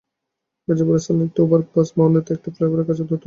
গাজীপুরের সালনায় একটি ওভারপাস এবং মাওনাতে একটি ফ্লাইওভারের কাজ দ্রুত এগিয়ে চলছে।